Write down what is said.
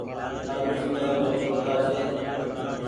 هر ڪسمي ري توتآ ڇي۔